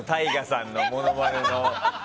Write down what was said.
ＴＡＩＧＡさんのものまね。